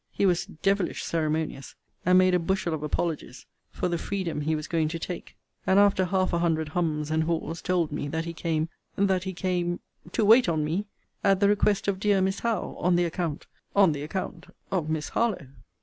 He was devilish ceremonious, and made a bushel of apologies for the freedom he was going to take: and, after half a hundred hums and haws, told me, that he came that he came to wait on me at the request of dear Miss Howe, on the account on the account of Miss Harlowe.